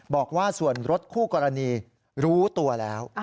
บอกว่าส่วนรถคู่กรณีรู้ตัวแล้ว